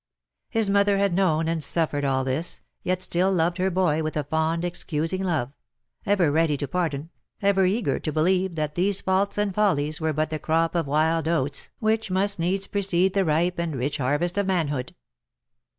His mother had known and suffered all this, yet still loved her boy with a fond excusing love — ever ready to pardon — ever eager to believe that these faults and follies were but the crop of wild oats which must needs precede the ripe and rich harvest of manhood.